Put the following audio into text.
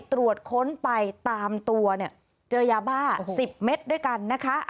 ตรวจค้นไปตามตัวเนี่ยเจอยาบ้า๑๐เม็ดด้วยกันนะคะ